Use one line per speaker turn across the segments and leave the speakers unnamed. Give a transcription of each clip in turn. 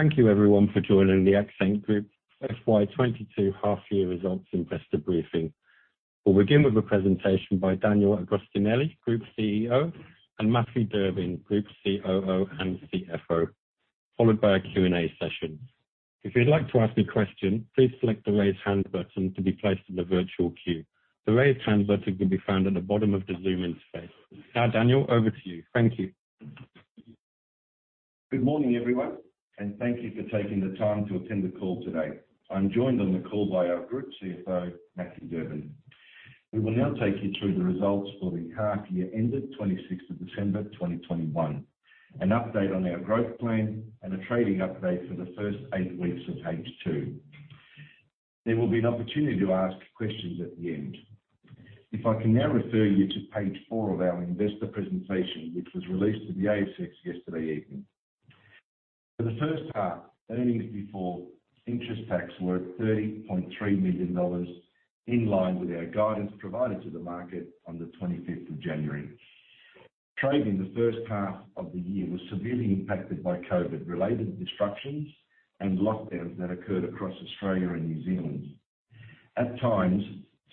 Thank you everyone for joining the Accent Group FY 2022 half year results investor briefing. We'll begin with a presentation by Daniel Agostinelli, Group CEO, and Matthew Durbin, Group COO and CFO, followed by a Q&A session. If you'd like to ask a question, please select the Raise Hand button to be placed in the virtual queue. The Raise Hand button can be found at the bottom of the Zoom interface. Now, Daniel, over to you. Thank you.
Good morning, everyone, and thank you for taking the time to attend the call today. I'm joined on the call by our Group CFO, Matthew Durbin. We will now take you through the results for the half year ended 26th of December, 2021, an update on our growth plan and a trading update for the first eight weeks of H2. There will be an opportunity to ask questions at the end. If I can now refer you to page four of our investor presentation, which was released to the ASX yesterday evening. For the first half, earnings before interest and tax were 33 million dollars, in line with our guidance provided to the market on the 25th of January. Trading in the first half of the year was severely impacted by COVID-related disruptions and lockdowns that occurred across Australia and New Zealand. At times,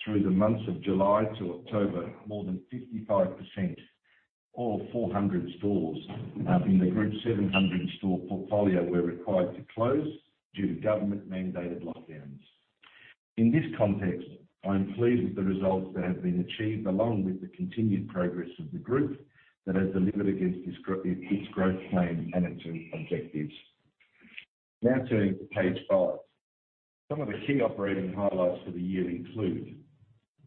through the months of July to October, more than 55% or 400 stores in the group 700-store portfolio were required to close due to government-mandated lockdowns. In this context, I'm pleased with the results that have been achieved, along with the continued progress of the group that has delivered against its growth plan and its objectives. Now turning to page five. Some of the key operating highlights for the year include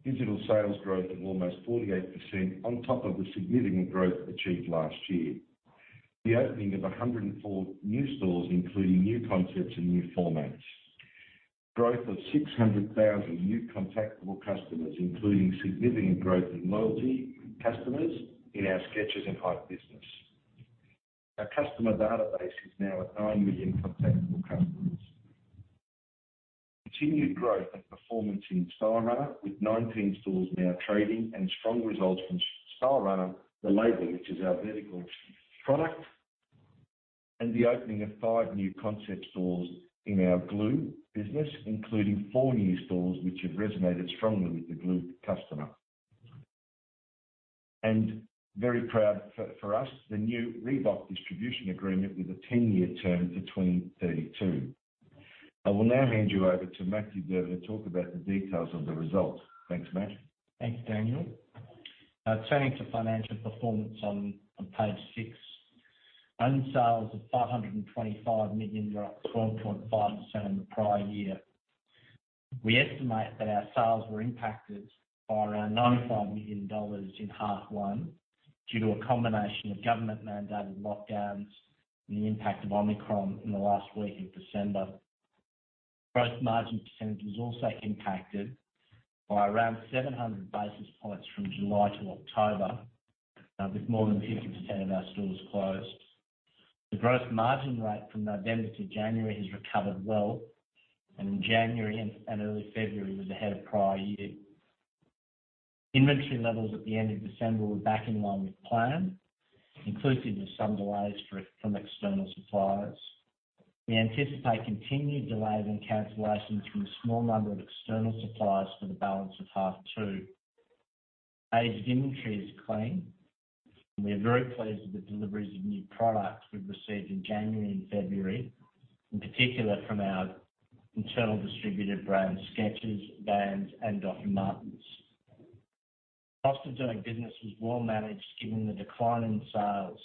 digital sales growth of almost 48% on top of the significant growth achieved last year. The opening of 104 new stores, including new concepts and new formats. Growth of 600,000 new contactable customers, including significant growth in loyalty customers in our Skechers and Hype business. Our customer database is now at 9 million contactable customers. Continued growth and performance in Stylerunner with 19 stores now trading and strong results from Stylerunner, the label, which is our vertical product. The opening of five new concept stores in our Glue business, including four new stores which have resonated strongly with the Glue customer. Very proud for us, the new Reebok distribution agreement with a 10-year term to 2032. I will now hand you over to Matthew Durbin to talk about the details of the results. Thanks, Matt.
Thanks, Daniel. Now turning to financial performance on page six. Earned sales of 525 million were up 12.5% on the prior year. We estimate that our sales were impacted by around 95 million dollars in half one due to a combination of government-mandated lockdowns and the impact of Omicron in the last week of December. Gross margin percentage was also impacted by around 700 basis points from July to October with more than 50% of our stores closed. The gross margin rate from November to January has recovered well, and in January and early February was ahead of prior year. Inventory levels at the end of December were back in line with plan, inclusive of some delays from external suppliers. We anticipate continued delays and cancellations from a small number of external suppliers for the balance of half two. Aged inventory is clean, and we are very pleased with the deliveries of new products we've received in January and February, in particular from our internal distributor brands, Skechers, Vans and Dr. Martens. Cost of doing business was well managed given the decline in sales,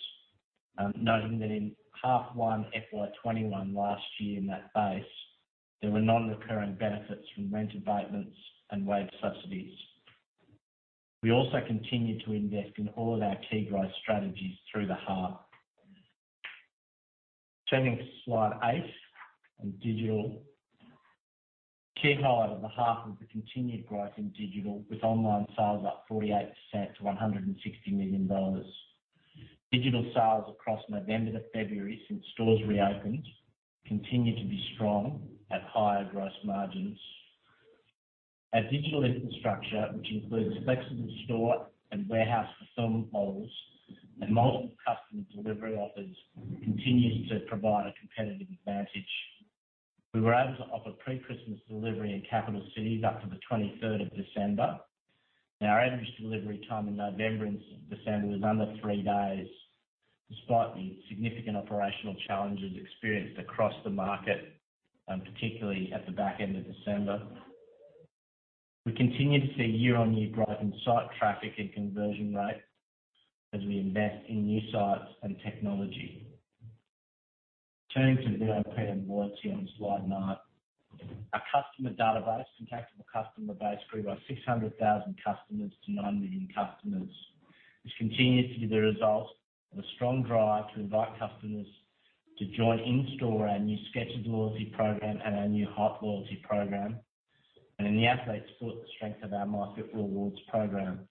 noting that in H1 FY 2021 last year in that base, there were non-recurring benefits from rent abatements and wage subsidies. We also continued to invest in all of our key growth strategies through the half. Turning to slide eight on digital. A key highlight of the half was the continued growth in digital with online sales up 48% to 160 million dollars. Digital sales across November to February since stores reopened continue to be strong at higher gross margins. Our digital infrastructure, which includes flexible store and warehouse fulfillment models and multiple customer delivery offers, continues to provide a competitive advantage. We were able to offer pre-Christmas delivery in capital cities up to the 23rd of December. Our average delivery time in November and December was under three days, despite the significant operational challenges experienced across the market, particularly at the back end of December. We continue to see year-on-year growth in site traffic and conversion rates as we invest in new sites and technology. Turning to VIP and loyalty on slide nine. Our customer database, contactable customer base, grew by 600,000 customers to 9 million customers, which continues to be the result of a strong drive to invite customers to join in-store our new Skechers loyalty program and our new Hype loyalty program. In the Athlete's Foot, the strength of our MyFit Rewards program.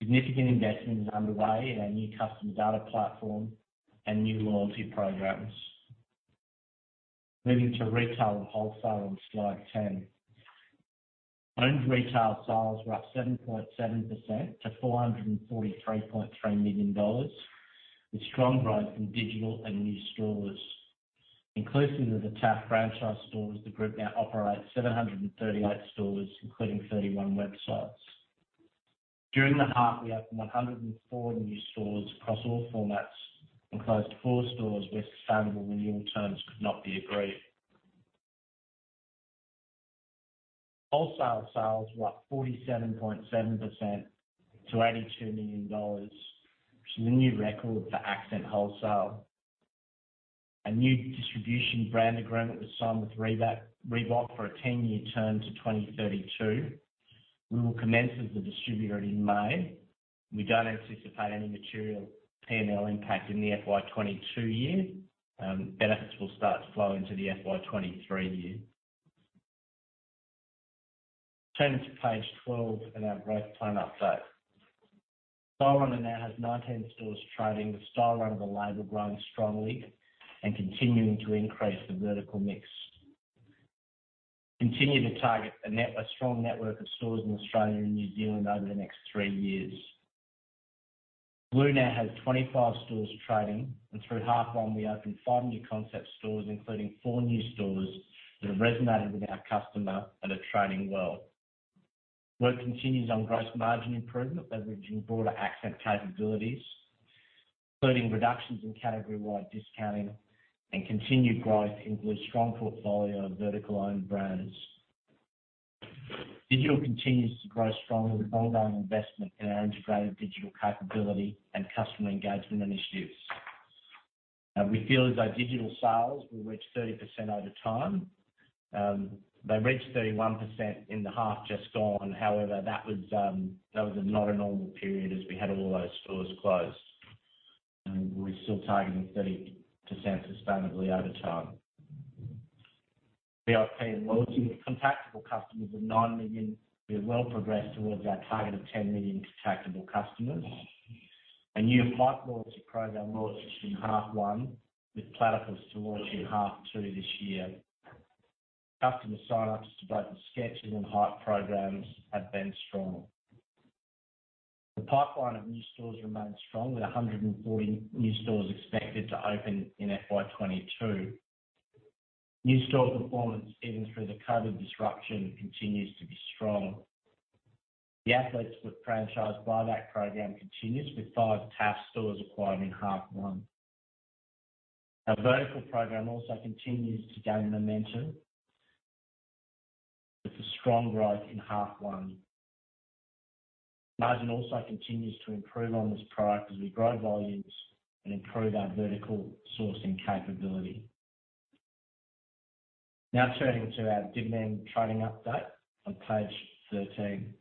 Significant investment is underway in our new customer data platform and new loyalty programs. Moving to retail and wholesale on slide 10. Owned retail sales were up 7.7% to 443.3 million dollars, with strong growth in digital and new stores. Inclusive of the TAF franchise stores, the group now operates 738 stores, including 31 websites. During the half, we opened 104 new stores across all formats and closed four stores where sustainable renewal terms could not be agreed. Wholesale sales were up 47.7% to 82 million dollars, which is a new record for Accent Wholesale. A new distribution brand agreement was signed with Reebok for a 10-year term to 2032. We will commence as the distributor in May. We don't anticipate any material P&L impact in the FY 2022 year. Benefits will start to flow into the FY 2023 year. Turning to page 12 and our growth plan update. Stylerunner now has 19 stores trading, with Stylerunner, the label growing strongly and continuing to increase the vertical mix. Continue to target a strong network of stores in Australia and New Zealand over the next three years. Glue Store now has 25 stores trading, and through H1 we opened five new concept stores, including 4 new stores that have resonated with our customer and are trading well. Work continues on gross margin improvement, leveraging broader Accent capabilities, including reductions in category-wide discounting and continued growth in Glue Store's strong portfolio of vertical owned brands. Digital continues to grow strongly with ongoing investment in our integrated digital capability and customer engagement initiatives. We feel as though digital sales will reach 30% over time. They reached 31% in the half just gone. However, that was not a normal period as we had all those stores closed. We're still targeting 30% sustainably over time. VIP and loyalty. Contactable customers of 9 million. We are well progressed towards our target of 10 million contactable customers. A new Hype loyalty program launched in half one, with Platypus to launch in half two this year. Customer sign-ups to both the Skechers and Hype programs have been strong. The pipeline of new stores remains strong, with 140 new stores expected to open in FY 2022. New store performance even through the COVID disruption continues to be strong. The Athlete's Foot franchise buyback program continues, with five TAF stores acquired in half one. Our vertical program also continues to gain momentum with a strong growth in half one. Margin also continues to improve on this product as we grow volumes and improve our vertical sourcing capability. Now turning to our division trading update on page 13.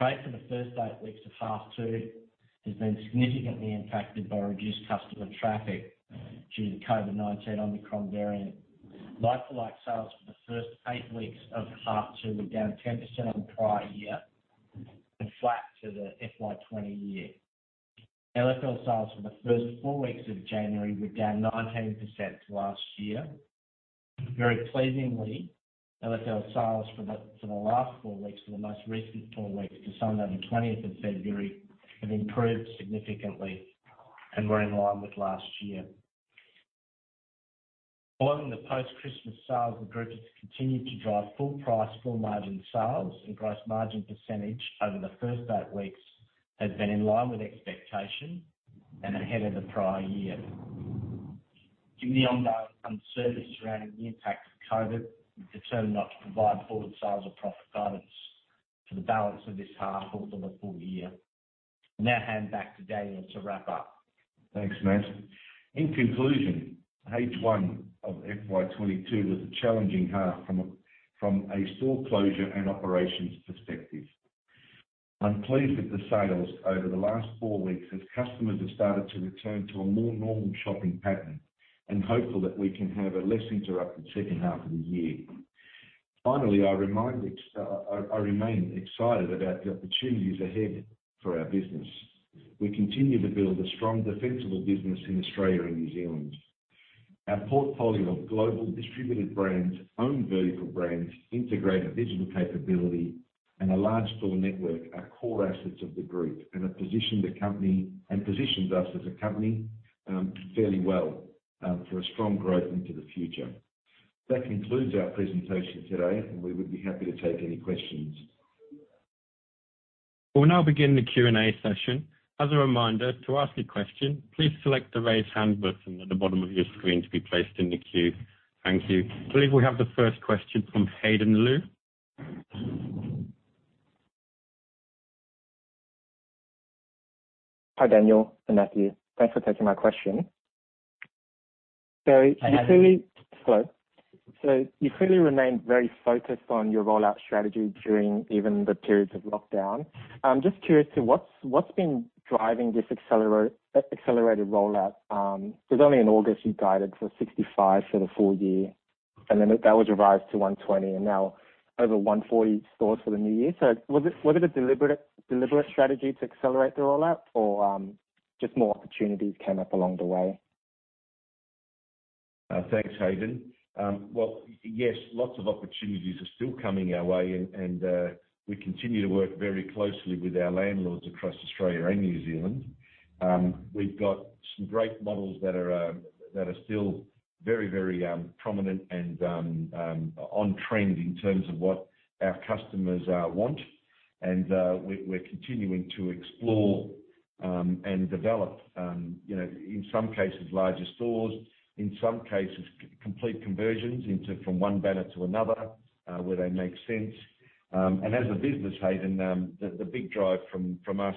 Trade for the first eight weeks of half two has been significantly impacted by reduced customer traffic due to the COVID-19 Omicron variant. Like-for-like sales for the first eight weeks of half two were down 10% on prior year and flat to the FY 2020. LFL sales for the first four weeks of January were down 19% to last year. Very pleasingly, LFL sales for the most recent four weeks to Sunday, the twentieth of February, have improved significantly and were in line with last year. Following the post-Christmas sales, the group has continued to drive full-price, full-margin sales, and gross margin percentage over the first eight weeks has been in line with expectation and ahead of the prior year. Given the ongoing uncertainty surrounding the impact of COVID-19, we've determined not to provide forward sales or profit guidance for the balance of this half or for the full year. I'll now hand back to Daniel to wrap up.
Thanks, Matthew. In conclusion, H1 of FY 2022 was a challenging half from a store closure and operations perspective. I'm pleased with the sales over the last four weeks as customers have started to return to a more normal shopping pattern and hopeful that we can have a less interrupted second half of the year. Finally, I remain excited about the opportunities ahead for our business. We continue to build a strong defensible business in Australia and New Zealand. Our portfolio of global distributed brands, owned vertical brands, integrated digital capability, and a large store network are core assets of the group and have positioned us as a company fairly well for a strong growth into the future. That concludes our presentation today, and we would be happy to take any questions.
We'll now begin the Q&A session. As a reminder, to ask a question, please select the Raise Hand button at the bottom of your screen to be placed in the queue. Thank you. I believe we have the first question from Hayden Lu.
Hi, Daniel and Matthew. Thanks for taking my question. You clearly-
Hi, Hayden.
Sorry. You clearly remain very focused on your rollout strategy during even the periods of lockdown. I'm just curious to what's been driving this accelerated rollout? It was only in August you guided for 65 for the full year. That was revised to 120 and now over 140 stores for the new year. Was it a deliberate strategy to accelerate the rollout or just more opportunities came up along the way?
Thanks, Hayden. Well, yes, lots of opportunities are still coming our way and we continue to work very closely with our landlords across Australia and New Zealand. We've got some great models that are still very prominent and on trend in terms of what our customers want. We're continuing to explore and develop, you know, in some cases, larger stores, in some cases, complete conversions from one banner to another, where they make sense. As a business, Hayden, the big drive from us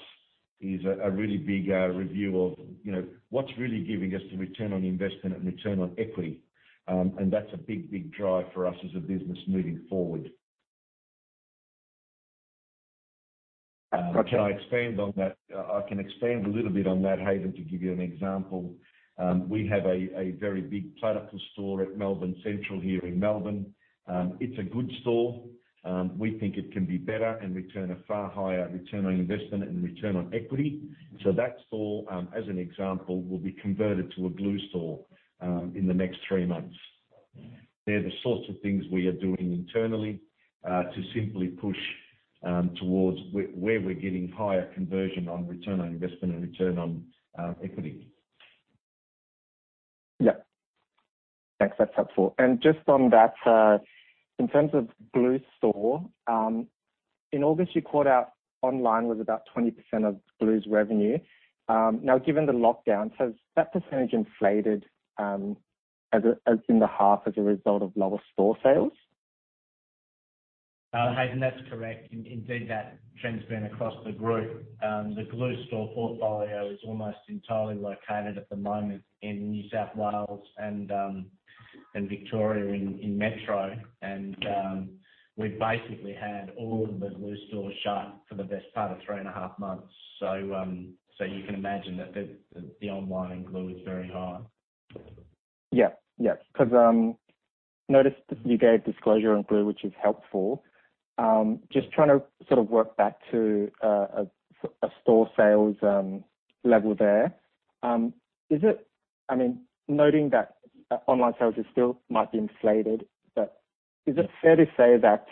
is a really big review of, you know, what's really giving us the return on investment and return on equity. That's a big drive for us as a business moving forward.
Gotcha.
Can I expand on that? I can expand a little bit on that, Hayden, to give you an example. We have a very big Platypus store at Melbourne Central here in Melbourne. It's a good store. We think it can be better and return a far higher return on investment and return on equity. That store, as an example, will be converted to a Glue Store in the next three months. They're the sorts of things we are doing internally to simply push towards where we're getting higher conversion on return on investment and return on equity.
Yeah. Thanks. That's helpful. Just on that, in terms of Glue Store, in August, you called out online was about 20% of Glue's revenue. Now, given the lockdown, has that percentage inflated, as in the half as a result of lower store sales?
Hayden, that's correct. Indeed that trend's been across the group. The Glue Store portfolio is almost entirely located at the moment in New South Wales and Victoria in metro. We've basically had all of the Glue stores shut for the best part of three and a half months. You can imagine that the online in Glue is very high.
Yes, 'cause I noticed you gave disclosure on Glue, which is helpful. I'm just trying to sort of work back to a same-store sales level there. I mean, noting that online sales still might be inflated, but is it fair to say that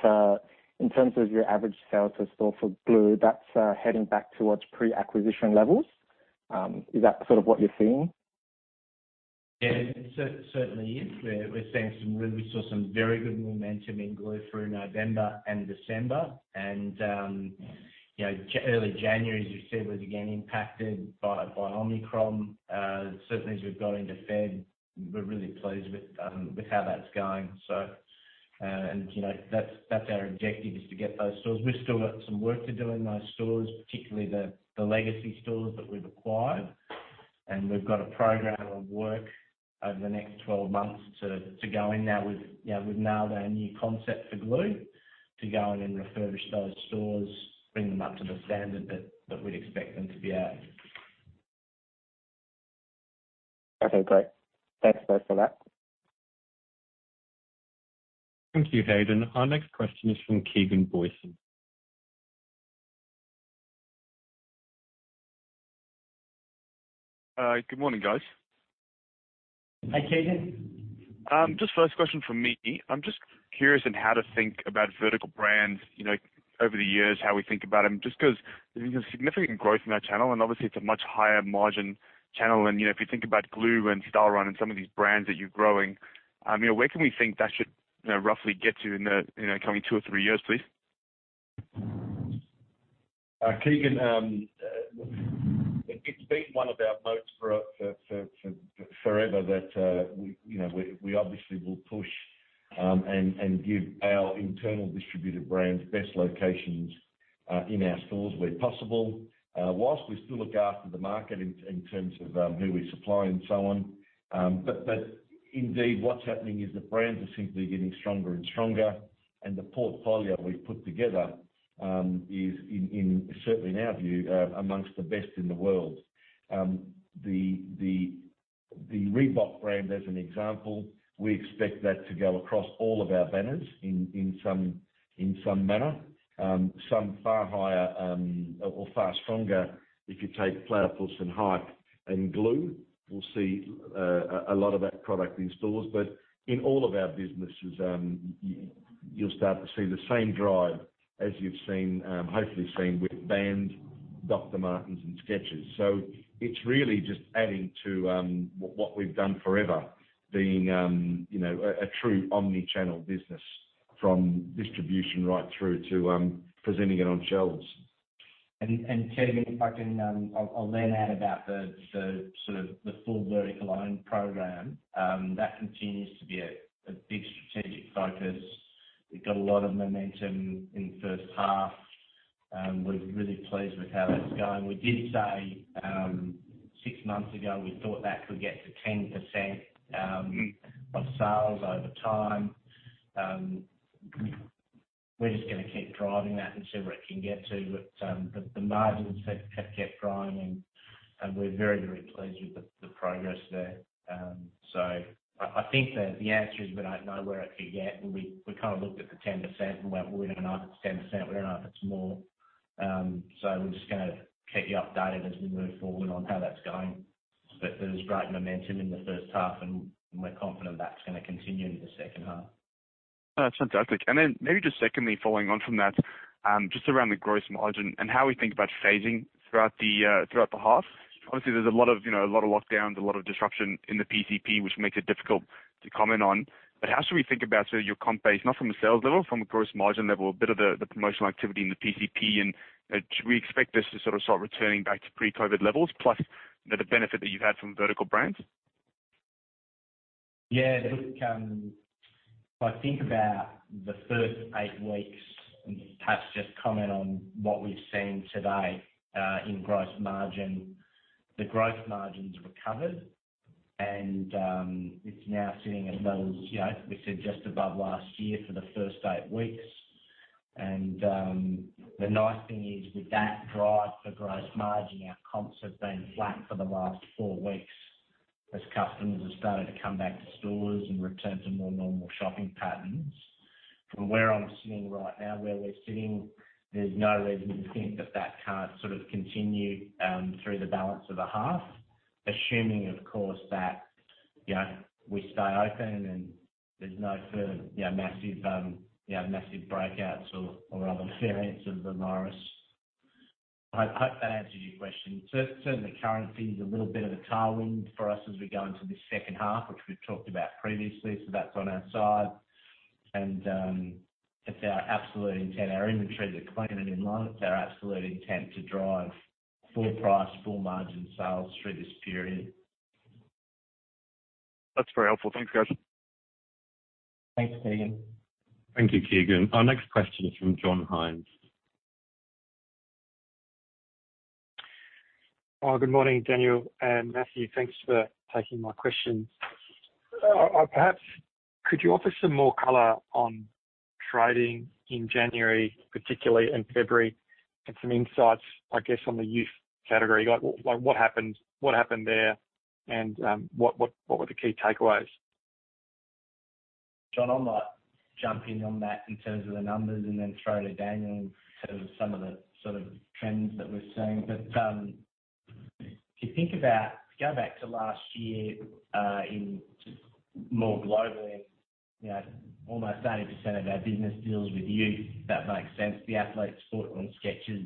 in terms of your average sales per store for Glue, that's heading back towards pre-acquisition levels? Is that sort of what you're seeing?
Yeah. It certainly is. We saw some very good momentum in Glue through November and December. Early January, as you said, was again impacted by Omicron. Certainly as we've got into February, we're really pleased with how that's going. That's our objective is to get those stores. We've still got some work to do in those stores, particularly the legacy stores that we've acquired, and we've got a program of work over the next 12 months to go in now with their new concept for Glue, to go in and refurbish those stores, bring them up to the standard that we'd expect them to be at.
Okay, great. Thanks both for that.
Thank you Hayden. Our next question is from Keegan Boysen.
Good morning, guys.
Hi, Keegan.
Just first question from me. I'm just curious in how to think about vertical brands, you know, over the years, how we think about them, just 'cause there's been significant growth in that channel, and obviously it's a much higher margin channel. You know, if you think about Glue and Stylerunner and some of these brands that you're growing, you know, where can we think that should, you know, roughly get to in the, you know, coming two or three years, please?
Keegan, it's been one of our moats for forever that we, you know, we obviously will push and give our internal distributor brands best locations in our stores where possible, while we still look after the market in terms of who we supply and so on. Indeed, what's happening is the brands are simply getting stronger and stronger, and the portfolio we've put together is certainly in our view among the best in the world. The Reebok brand, as an example, we expect that to go across all of our banners in some manner, some far higher or far stronger if you take Platypus and Hype and Glue. We'll see a lot of that product in stores. In all of our businesses, you'll start to see the same drive as you've seen, hopefully seen with Vans, Dr. Martens and Skechers. It's really just adding to what we've done forever, being you know, a true omni-channel business from distribution right through to presenting it on shelves.
Keegan, if I can, I'll then add about the full vertical own program that continues to be a big strategic focus. We've got a lot of momentum in the first half, and we're really pleased with how that's going. We did say six months ago we thought that could get to 10% of sales over time. We're just gonna keep driving that and see where it can get to. The margins have kept growing and we're very pleased with the progress there. I think that the answer is we don't know where it could get, and we kinda looked at the 10% and went, "Well, we don't know if it's 10%, we don't know if it's more." We're just gonna keep you updated as we move forward on how that's going. There's great momentum in the first half, and we're confident that's gonna continue into the second half.
That's fantastic. Maybe just secondly, following on from that, just around the gross margin and how we think about phasing throughout the half. Obviously, there's a lot of, you know, a lot of lockdowns, a lot of disruption in the PCP, which makes it difficult to comment on. How should we think about sort of your comp base, not from a sales level, from a gross margin level, a bit of the promotional activity in the PCP? Should we expect this to sort of start returning back to pre-COVID levels, plus, you know, the benefit that you've had from Vertical Brands?
Yeah. Look, if I think about the first eight weeks, and perhaps just comment on what we've seen today in gross margin. The gross margin's recovered and it's now sitting as well as, you know, as we said, just above last year for the first eight weeks. The nice thing is, with that drive for gross margin, our comps have been flat for the last four weeks as customers have started to come back to stores and return to more normal shopping patterns. From where I'm sitting right now, where we're sitting, there's no reason to think that can't sort of continue through the balance of the half, assuming, of course, that, you know, we stay open and there's no further massive breakouts or other variants of the virus. I hope that answers your question. Certainly currency is a little bit of a tailwind for us as we go into this second half, which we've talked about previously, so that's on our side. It's our absolute intent. Our inventories are clean and in line. It's our absolute intent to drive full-price, full-margin sales through this period.
That's very helpful. Thanks, guys.
Thanks Keegan.
Thank you, Keegan. Our next question is from John Hines.
Good morning, Daniel and Matthew. Thanks for taking my questions. Perhaps could you offer some more color on trading in January particularly, and February, and some insights, I guess, on the youth category? Like what happened there, and what were the key takeaways?
John, I might jump in on that in terms of the numbers and then throw to Daniel in terms of some of the sort of trends that we're seeing. If you think about going back to last year, in just more globally, you know, almost 80% of our business deals with youth. That makes sense. The Athlete's Foot and Skechers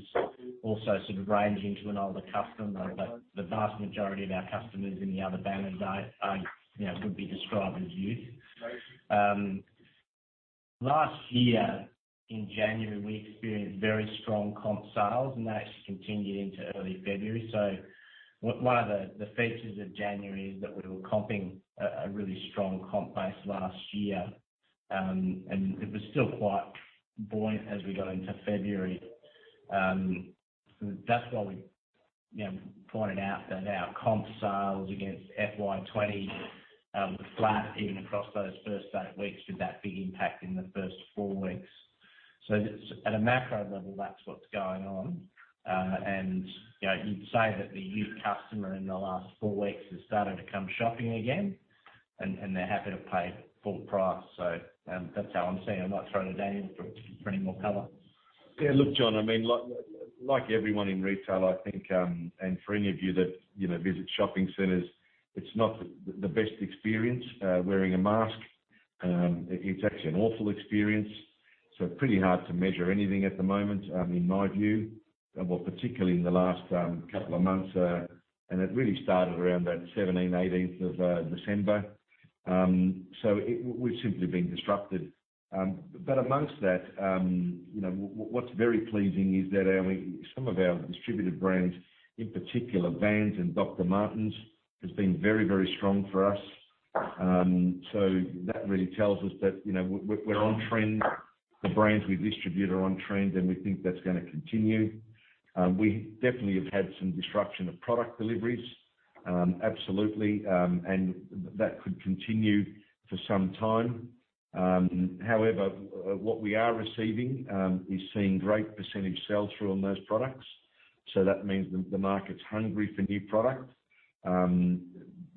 also sort of range into an older customer, but the vast majority of our customers in the other banners are, you know, could be described as youth. Last year in January, we experienced very strong comp sales, and that actually continued into early February. One of the features of January is that we were comping a really strong comp base last year, and it was still quite buoyant as we got into February. That's why we, you know, pointed out that our comp sales against FY 2020 were flat even across those first 8 weeks with that big impact in the first four weeks. Just at a macro level, that's what's going on. And, you know, you'd say that the youth customer in the last four weeks has started to come shopping again and they're happy to pay full price. That's how I'm seeing it. I might throw to Daniel for any more color.
Yeah, look, John, I mean, like everyone in retail, I think, and for any of you that, you know, visit shopping centers, it's not the best experience wearing a mask. It's actually an awful experience, so pretty hard to measure anything at the moment, in my view. Well, particularly in the last couple of months, and it really started around that 17th, 18th of December. We've simply been disrupted. Among that, you know, what's very pleasing is that some of our distributed brands, in particular Vans and Dr. Martens, has been very strong for us. That really tells us that, you know, we're on trend. The brands we distribute are on trend, and we think that's gonna continue. We definitely have had some disruption of product deliveries, absolutely. That could continue for some time. However, what we are receiving is seeing great percentage sell-through on those products. So that means the market's hungry for new product.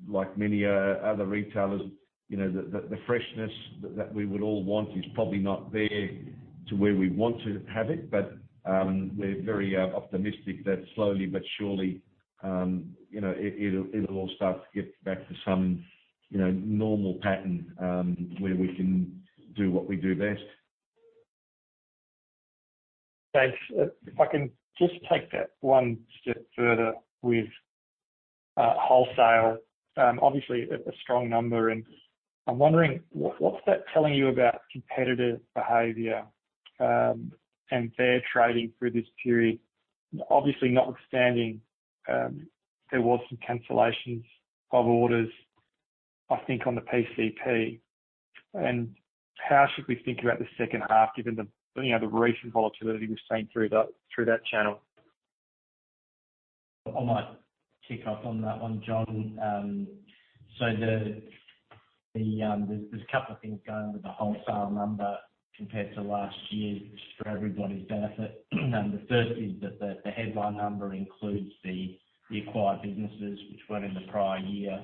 Like many other retailers, you know, the freshness that we would all want is probably not there to where we want to have it, but we're very optimistic that slowly but surely, you know, it'll all start to get back to some, you know, normal pattern, where we can do what we do best.
Thanks. If I can just take that one step further with wholesale. Obviously a strong number, and I'm wondering what's that telling you about competitive behavior and their trading through this period? Obviously notwithstanding, there was some cancellations of orders, I think, on the PCP. How should we think about the second half given the, you know, the recent volatility we've seen through that channel?
I might pick up on that one, John. There's a couple of things going with the wholesale number compared to last year, just for everybody's benefit. The first is that the headline number includes the acquired businesses which weren't in the prior year.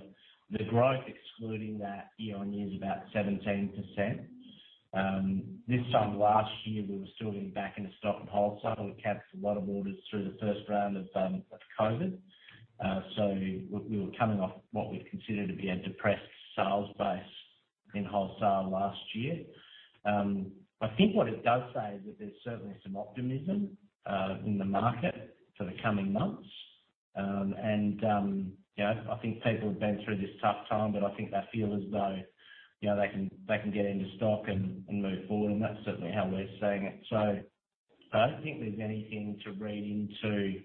The growth excluding that year-on-year is about 17%. This time last year, we were still getting back into stock and wholesale. We kept a lot of orders through the first round of COVID-19. We were coming off what we'd consider to be a depressed sales base in wholesale last year. I think what it does say is that there's certainly some optimism in the market for the coming months. You know, I think people have been through this tough time, but I think they feel as though, you know, they can get into stock and move forward, and that's certainly how we're seeing it. I don't think there's anything to read into,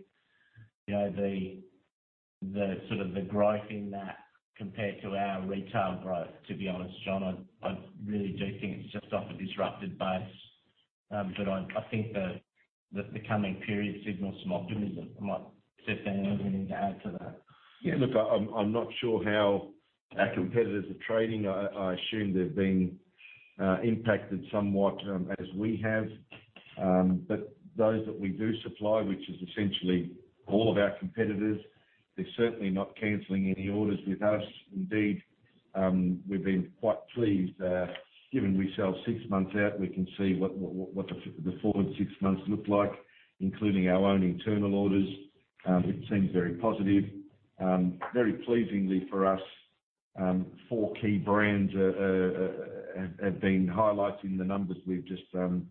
you know, the sort of growth in that compared to our retail growth, to be honest, John. I really do think it's just off a disrupted base. I think the coming period signals some optimism. Stephane, anything to add to that?
Yeah, look, I'm not sure how our competitors are trading. I assume they've been impacted somewhat as we have. Those that we do supply, which is essentially all of our competitors, they're certainly not canceling any orders with us. Indeed, we've been quite pleased that given we sell six months out, we can see what the forward six months look like, including our own internal orders. It seems very positive. Very pleasingly for us, four key brands have been highlighting the numbers. We've just the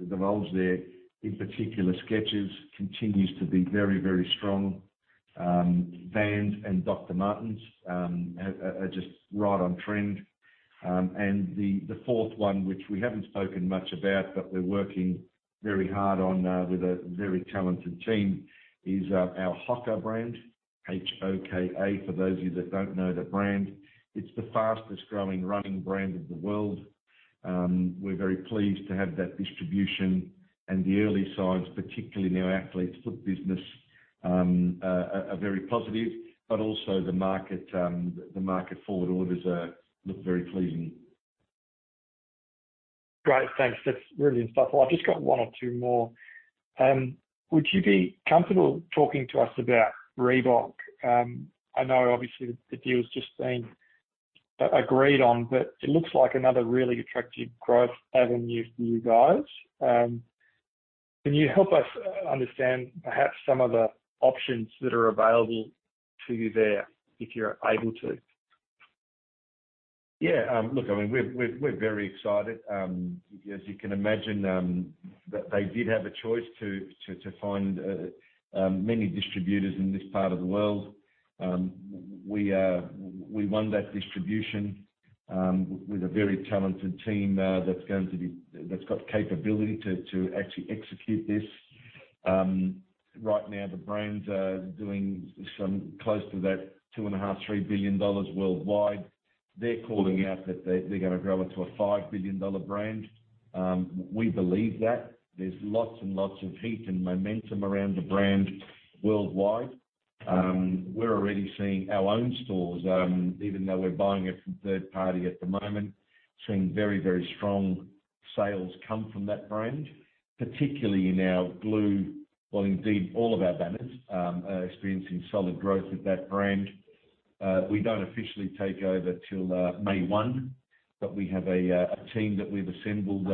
results there. In particular, Skechers continues to be very strong. Vans and Dr. Martens are just right on trend. The fourth one, which we haven't spoken much about, but we're working very hard on with a very talented team, is our HOKA brand. H-O-K-A for those of you that don't know the brand. It's the fastest growing running brand in the world. We're very pleased to have that distribution and the early signs, particularly in our Athlete's Foot business, are very positive. Also the market forward orders look very pleasing.
Great thanks that's really insightful. I've just got one or two more. Would you be comfortable talking to us about Reebok? I know obviously the deal's just been agreed on, but it looks like another really attractive growth avenue for you guys. Can you help us understand perhaps some of the options that are available to you there, if you're able to?
Yeah. Look, I mean, we're very excited. As you can imagine, that they did have a choice to find many distributors in this part of the world. We won that distribution with a very talented team that's got the capability to actually execute this. Right now the brands are doing somewhere close to $2.5 billion-$3 billion worldwide. They're calling out that they're gonna grow it to a $5 billion brand. We believe that. There's lots and lots of heat and momentum around the brand worldwide. We're already seeing our own stores, even though we're buying it from third party at the moment, seeing very, very strong sales come from that brand, particularly in our Glue Store. Well, indeed, all of our banners are experiencing solid growth with that brand. We don't officially take over till May 1, but we have a team that we've assembled,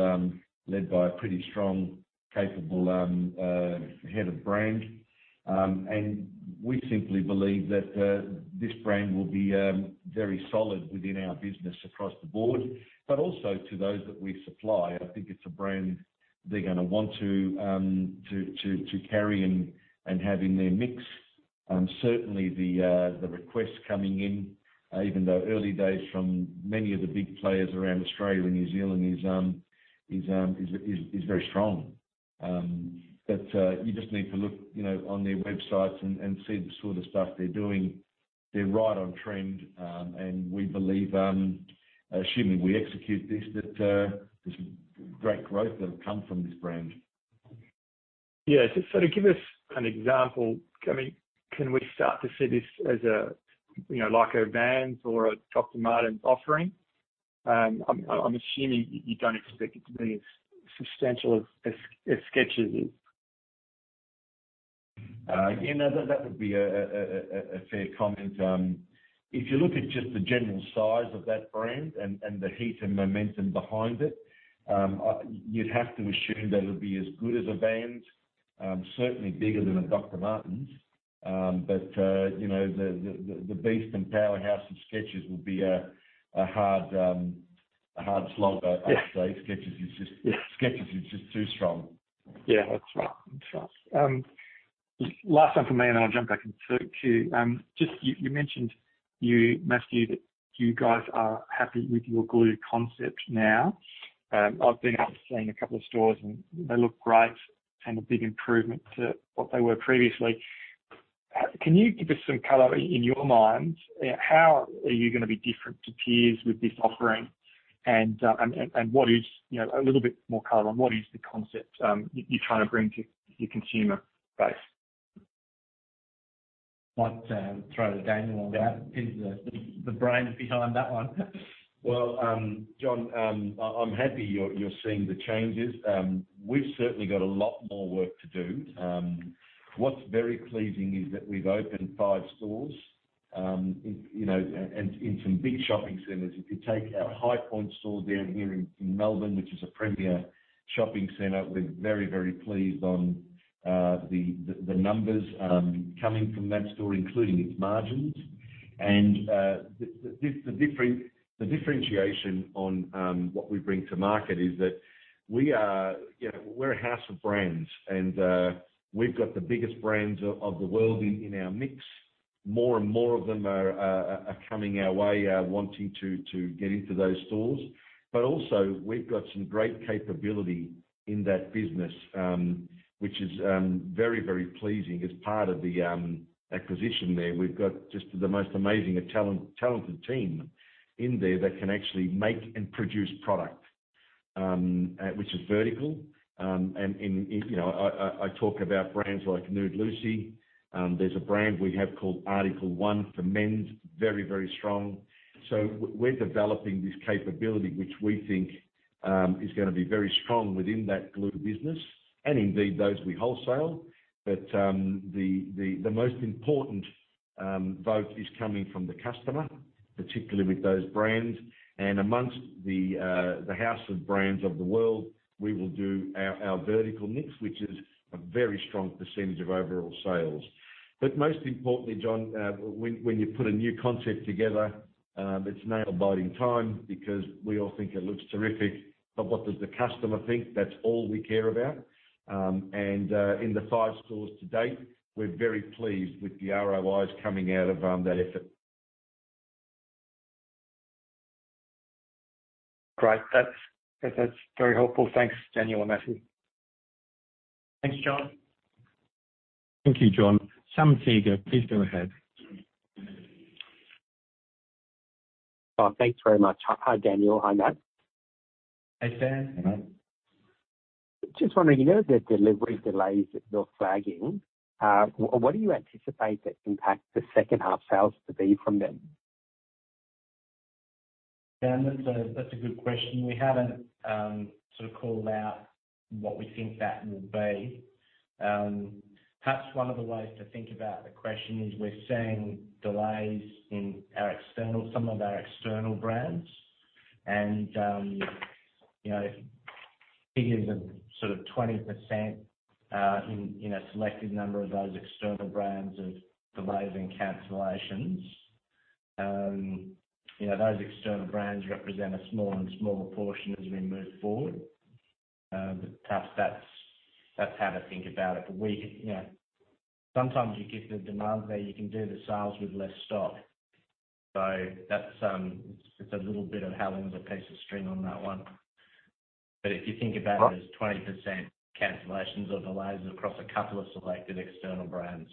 led by a pretty strong, capable head of brand. We simply believe that this brand will be very solid within our business across the board, but also to those that we supply. I think it's a brand they're gonna want to carry and have in their mix. Certainly the requests coming in, even though early days from many of the big players around Australia and New Zealand is very strong. You just need to look, you know, on their websites and see the sort of stuff they're doing. They're right on trend. We believe, assuming we execute this, that there's great growth that'll come from this brand.
To give us an example, I mean, can we start to see this as a, you know, like a Vans or a Dr. Martens offering? I'm assuming you don't expect it to be as substantial as Skechers is.
You know, that would be a fair comment. If you look at just the general size of that brand and the heat and momentum behind it, you'd have to assume that it'll be as good as a Vans, certainly bigger than a Dr. Martens. You know, the beast and powerhouse of Skechers would be a hard slog, I'd say.
Yeah.
Skechers is just.
Yeah.
Skechers is just too strong.
Yeah. That's right. Last one from me, and then I'll jump back in the queue. Just, you mentioned, Matthew, that you guys are happy with your Glue concept now. I've been out seeing a couple of stores and they look great and a big improvement to what they were previously.
Can you give us some color in your mind, how are you gonna be different to peers with this offering? What is, you know, a little bit more color on what is the concept, you're trying to bring to your consumer base?
Might throw to Daniel on that. He's the brain behind that one.
Well, John, I'm happy you're seeing the changes. We've certainly got a lot more work to do. What's very pleasing is that we've opened five stores, in, you know, and in some big shopping centers. If you take our Highpoint store down here in Melbourne, which is a premier shopping center, we're very pleased on the numbers coming from that store, including its margins. The differentiation on what we bring to market is that we are, you know, we're a house of brands and we've got the biggest brands of the world in our mix. More and more of them are coming our way, wanting to get into those stores. Also we've got some great capability in that business, which is very pleasing. As part of the acquisition there, we've got just the most amazing and talented team in there that can actually make and produce product, which is vertical. You know, I talk about brands like Nude Lucy. There's a brand we have called Article One for men, very strong. We're developing this capability, which we think is gonna be very strong within that Glue Store business and indeed those we wholesale. The most important vote is coming from the customer, particularly with those brands. Amongst the house of brands of the world, we will do our vertical mix, which is a very strong percentage of overall sales. Most importantly, John, when you put a new concept together, it's nail-biting time because we all think it looks terrific. What does the customer think? That's all we care about. In the five stores to date, we're very pleased with the ROIs coming out of that effort.
Great. That's very helpful. Thanks, Daniel and Matthew.
Thanks, John.
Thank you, John. Sam Teeger, please go ahead.
Oh, thanks very much. Hi Daniel. Hi Matt.
Hey Sam hello.
Just wondering, you know, the delivery delays that you're flagging, what do you anticipate that impact to second half sales to be from them?
Sam that's a good question. We haven't sort of called out what we think that will be. Perhaps one of the ways to think about the question is we're seeing delays in some of our external brands and, you know, figures of sort of 20% in a selected number of those external brands of delays and cancellations. You know, those external brands represent a smaller and smaller portion as we move forward. Perhaps that's how to think about it. We, you know, sometimes you get the demand there, you can do the sales with less stock. It's a little bit of how long's a piece of string on that one. If you think about it as 20% cancellations or delays across a couple of selected external brands.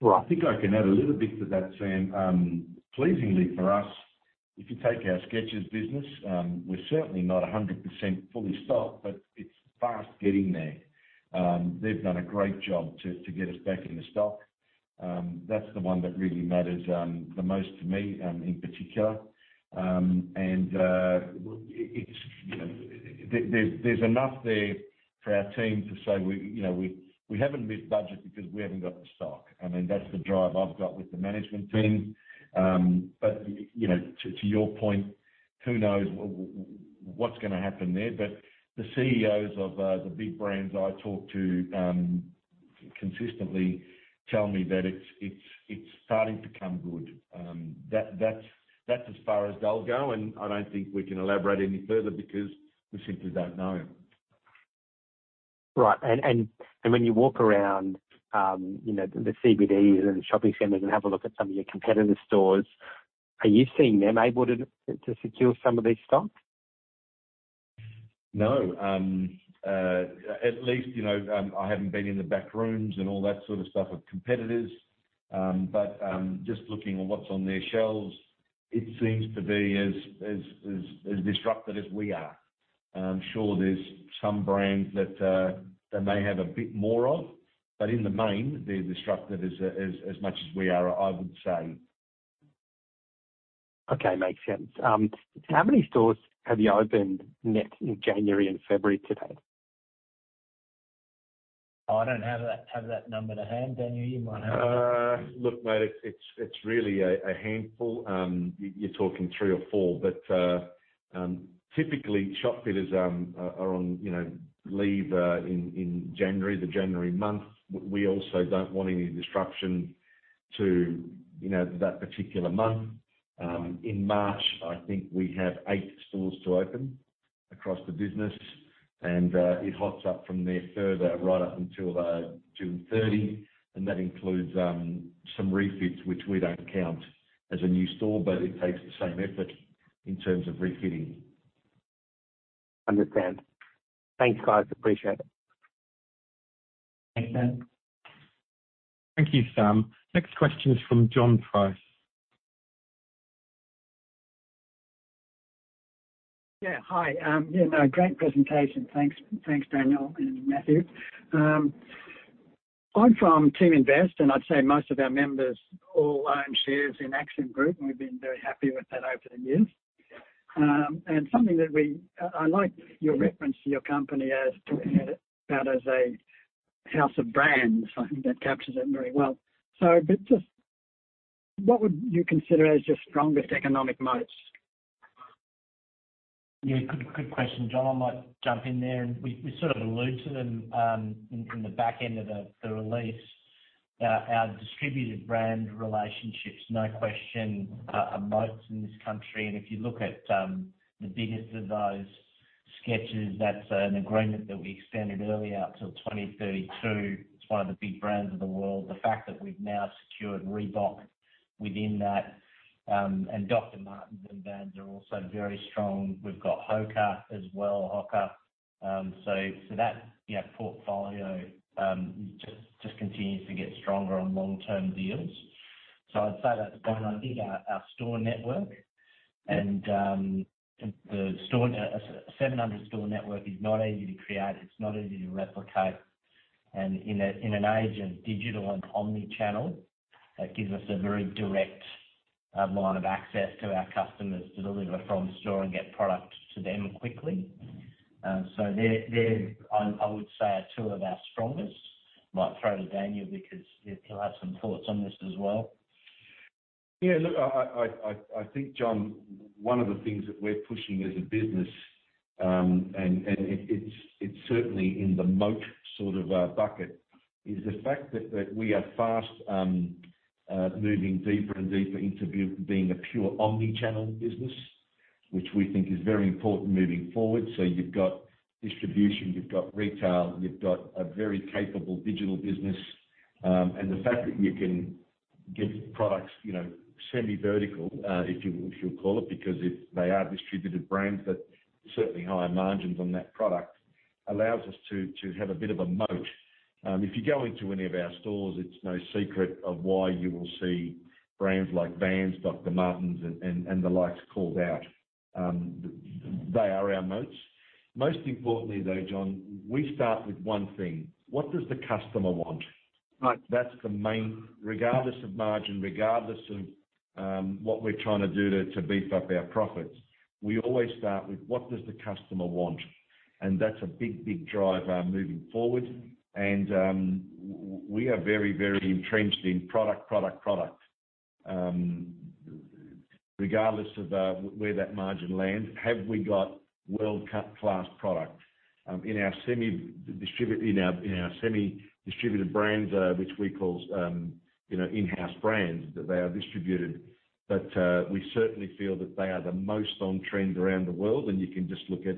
Right.
I think I can add a little bit to that, Sam. Pleasingly for us, if you take our Skechers business, we're certainly not 100% fully stocked, but it's fast getting there. They've done a great job to get us back into stock. That's the one that really matters the most to me in particular. It's, you know, there's enough there for our team to say, you know, we haven't missed budget because we haven't got the stock. I mean, that's the drive I've got with the management team. You know, to your point, who knows what's gonna happen there? The CEOs of the big brands I talk to consistently tell me that it's starting to come good. That's as far as they'll go, and I don't think we can elaborate any further because we simply don't know.
Right. When you walk around, you know, the CBDs and the shopping centers and have a look at some of your competitor stores, are you seeing them able to secure some of this stock?
No. At least, you know, I haven't been in the back rooms and all that sort of stuff of competitors. Just looking at what's on their shelves, it seems to be as disrupted as we are. I'm sure there's some brands that they may have a bit more of, but in the main, they're disrupted as much as we are, I would say.
Okay. Makes sense. How many stores have you opened net in January and February to date?
I don't have that number to hand Daniel, you might have it.
Look, mate, it's really a handful. You're talking three or four. Typically, shopfitters are on, you know, leave in January, the January month. We also don't want any disruption to, you know, that particular month. In March, I think we have eight stores to open across the business. It hots up from there further right up until June thirty, and that includes some refits, which we don't count as a new store, but it takes the same effort in terms of refitting.
Understand. Thanks guys, I appreciate it.
Thanks, Sam.
Thank you Sam. Next question is from John Price.
Yeah. Hi Yeah, no, great presentation. Thanks, Daniel and Matthew. I'm from Teaminvest, and I'd say most of our members all own shares in Accent Group, and we've been very happy with that over the years. I like your reference to your company as to it, that as a house of brands. I think that captures it very well. Just what would you consider as your strongest economic moats?
Yeah, good question, John. I might jump in there. We sort of alluded to them in the back end of the release. Our distributed brand relationships, no question, are moats in this country. If you look at the biggest of those Skechers, that's an agreement that we extended earlier till 2032. It's one of the big brands of the world. The fact that we've now secured Reebok within that, and Dr. Martens and Vans are also very strong. We've got HOKA as well. That, yeah, portfolio just continues to get stronger on long-term deals. I'd say that's one. I think our store network and the 850 store network is not easy to create. It's not easy to replicate. In an age of digital and omni-channel, it gives us a very direct line of access to our customers to deliver from store and get product to them quickly. So they're, I would say, are two of our strongest. Might throw to Daniel because he'll have some thoughts on this as well.
Yeah. Look, I think, John, one of the things that we're pushing as a business, and it is certainly in the moat sort of bucket, is the fact that we are fast moving deeper and deeper into being a pure omni-channel business, which we think is very important moving forward. You've got distribution, you've got retail, you've got a very capable digital business. And the fact that you can get products, you know, semi-vertical, if you call it, because if they are distributed brands, but certainly higher margins on that product, allows us to have a bit of a moat. If you go into any of our stores, it's no secret why you will see brands like Vans, Dr. Martens, and the likes called out. They are our moats. Most importantly though, John, we start with one thing. What does the customer want?
Right.
Regardless of margin, regardless of what we're trying to do to beef up our profits, we always start with what does the customer want? That's a big driver moving forward. We are very entrenched in product. Regardless of where that margin lands, have we got world-class products in our semi-distributed brands, which we call you know in-house brands that they are distributed. We certainly feel that they are the most on-trend around the world, and you can just look at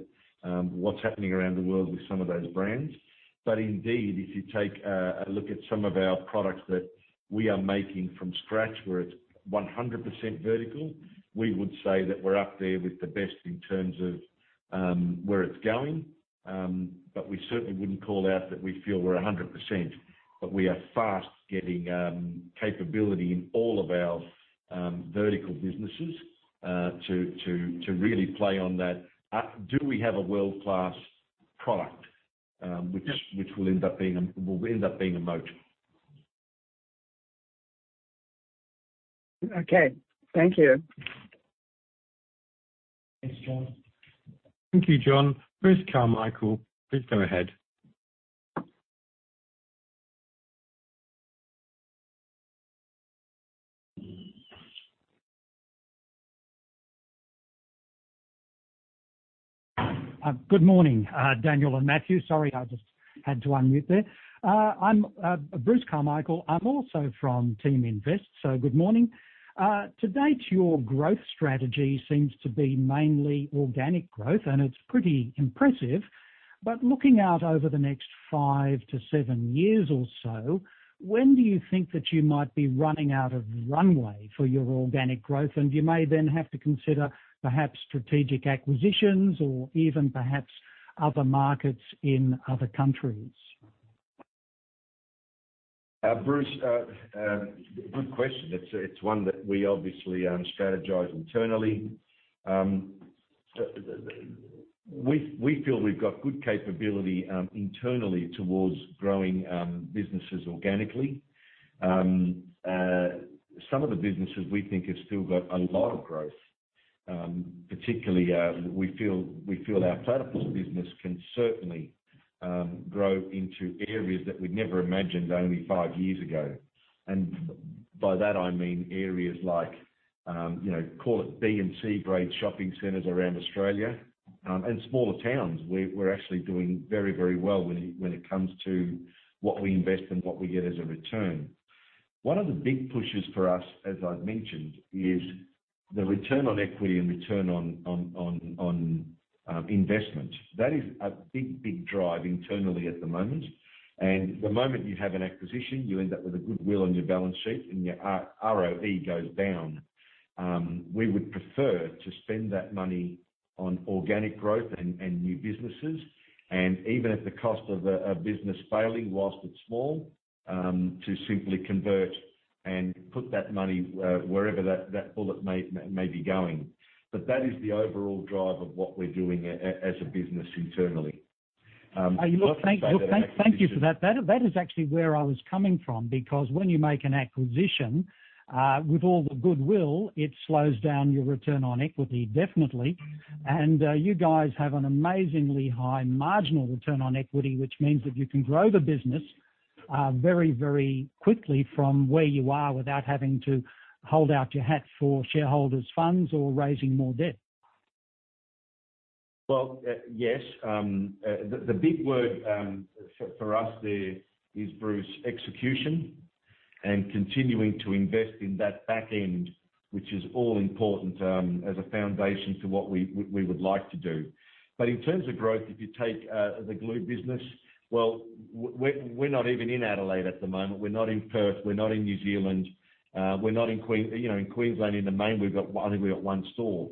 what's happening around the world with some of those brands. Indeed, if you take a look at some of our products that we are making from scratch, where it's 100% vertical, we would say that we're up there with the best in terms of where it's going. But we certainly wouldn't call out that we feel we're 100%. But we are fast getting capability in all of our vertical businesses to really play on that, do we have a world-class product?
Yeah.
Which will end up being a moat.
Okay. Thank you.
Thanks, John.
Thank you, John. Bruce Carmichael, please go ahead.
Good morning, Daniel and Matthew. Sorry, I just had to unmute there. I'm Bruce Carmichael. I'm also from Teaminvest, so good morning. To date, your growth strategy seems to be mainly organic growth, and it's pretty impressive. Looking out over the next five to seven years or so, when do you think that you might be running out of runway for your organic growth? You may then have to consider perhaps strategic acquisitions or even perhaps other markets in other countries.
Bruce good question. It's one that we obviously strategize internally. We feel we've got good capability internally towards growing businesses organically. Some of the businesses we think have still got a lot of growth, particularly we feel our Platypus business can certainly grow into areas that we never imagined only five years ago. By that, I mean areas like you know, call it B and C grade shopping centers around Australia and smaller towns. We're actually doing very well when it comes to what we invest and what we get as a return. One of the big pushes for us, as I've mentioned, is the return on equity and return on investment. That is a big drive internally at the moment. The moment you have an acquisition, you end up with a goodwill on your balance sheet and your ROE goes down. We would prefer to spend that money on organic growth and new businesses. Even if the cost of a business failing while it's small- To simply convert and put that money wherever that bullet may be going. That is the overall drive of what we're doing as a business internally.
Thank you for that. That is actually where I was coming from, because when you make an acquisition with all the goodwill, it slows down your return on equity definitely. You guys have an amazingly high marginal return on equity, which means that you can grow the business very quickly from where you are without having to hold out your hat for shareholders' funds or raising more debt.
Well, yes. The big word for us there is, Bruce, execution and continuing to invest in that back end, which is all important as a foundation to what we would like to do. In terms of growth, if you take the Glue business, we're not even in Adelaide at the moment. We're not in Perth. We're not in New Zealand. We're not in Queensland, you know, in the main, we've got one store. I think we've got one store.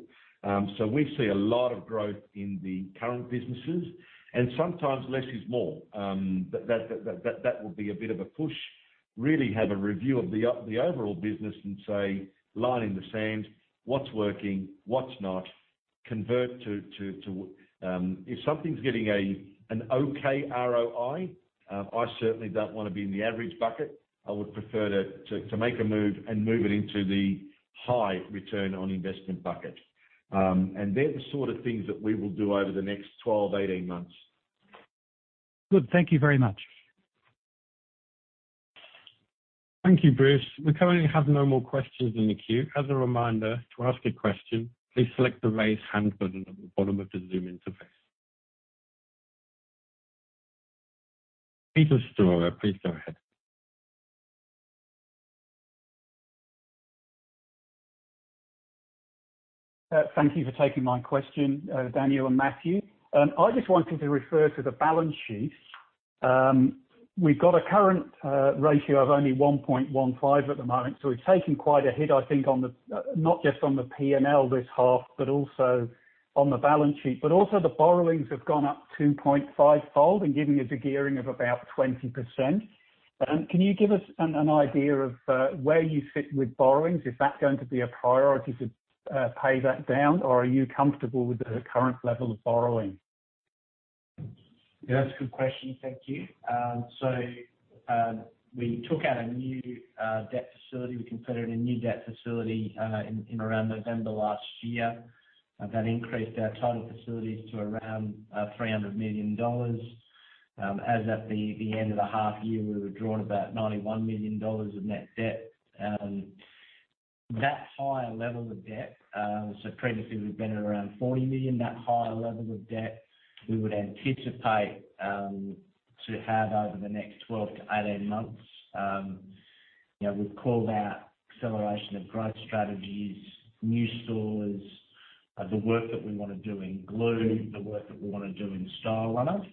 So we see a lot of growth in the current businesses and sometimes less is more. That will be a bit of a push, really have a review of the overall business and say, line in the sand, what's working, what's not. If something's getting an okay ROI, I certainly don't wanna be in the average bucket. I would prefer to make a move and move it into the high return on investment bucket. They're the sort of things that we will do over the next 12, 18 months.
Good. Thank you very much.
Thank you, Bruce. We currently have no more questions in the queue. As a reminder, to ask a question, please select the Raise Hand button at the bottom of the Zoom interface. Peter Storer, please go ahead.
Thank you for taking my question, Daniel and Matthew. I just wanted to refer to the balance sheet. We've got a current ratio of only 1.15 at the moment, so we've taken quite a hit, I think, not just on the P&L this half, but also on the balance sheet. The borrowings have gone up 2.5-fold, giving us a gearing of about 20%. Can you give us an idea of where you sit with borrowings? Is that going to be a priority to pay that down, or are you comfortable with the current level of borrowing?
Yeah, that's a good question. Thank you. So, we took out a new debt facility. We considered a new debt facility in around November last year. That increased our total facilities to around 300 million dollars. As at the end of the half year, we were drawing about 91 million dollars of net debt. That higher level of debt, so previously we've been at around 40 million. That higher level of debt we would anticipate to have over the next 12 to 18 months. You know, we've called out acceleration of growth strategies, new stores, the work that we wanna do in Glue Store, the work that we wanna do in Stylerunner.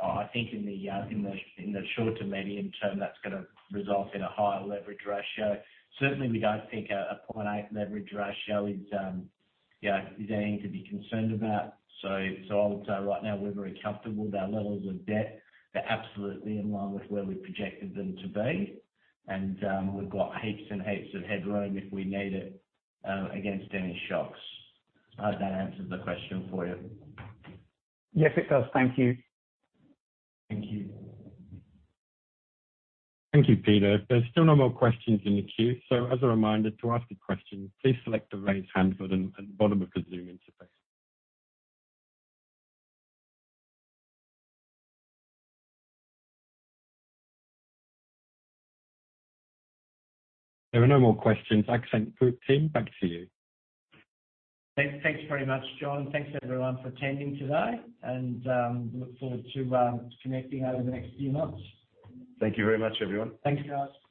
I think in the short to medium term, that's gonna result in a higher leverage ratio. Certainly, we don't think a 0.8 leverage ratio is, you know, anything to be concerned about. I would say right now we're very comfortable with our levels of debt. They're absolutely in line with where we projected them to be. We've got heaps and heaps of headroom if we need it against any shocks. I hope that answers the question for you.
Yes, it does. Thank you.
Thank you.
Thank you Peter. There's still no more questions in the queue. As a reminder, to ask a question, please select the Raise Hand button at the bottom of the Zoom interface. There are no more questions. Accent Group team, back to you.
Thanks very much John. Thanks everyone for attending today. I look forward to connecting over the next few months.
Thank you very much everyone.
Thanks guys.